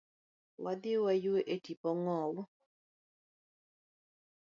Wadhi wa yue e tipo ngowu.